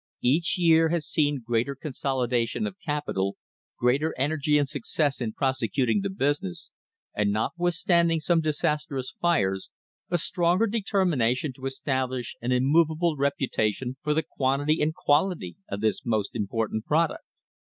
"Each year has seen greater consolidation of capital, greater energy and success in prosecuting the business, and, notwithstanding some disastrous fires, a stronger determina tion to establish an immovable reputation for the quantity and quality of this most important product.